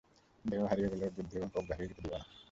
দেহ হারিয়ে গেলেও বুদ্ধি এবং প্রজ্ঞা হারিয়ে যেতে দিবেন না।